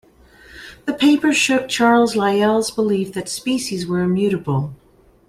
The paper shook Charles Lyell's belief that species were immutable.